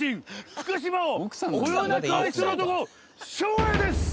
福島をこよなく愛する男照英です！